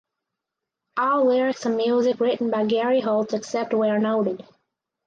All lyrics and music written by Gary Holt except where noted.